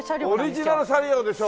オリジナル車両でしょ！